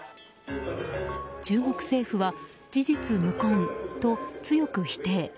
中国政府は事実無根と強く否定。